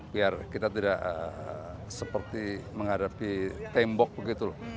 biar kita tidak seperti menghadapi tembok begitu loh